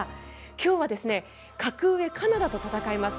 今日は格上、カナダと戦います。